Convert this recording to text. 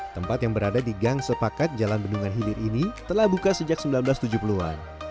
tempat yang berada di gang sepakat jalan bendungan hilir ini telah buka sejak seribu sembilan ratus tujuh puluh an